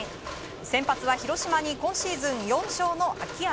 先発は広島に今シーズン４勝の秋山。